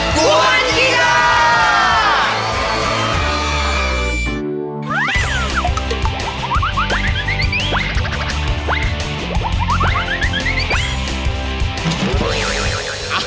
กวนกี้เกอร์